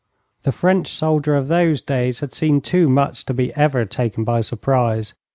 The French soldier of those days had seen too much to be ever taken by surprise.